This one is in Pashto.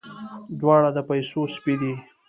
دواړه د پيسو سپي دي.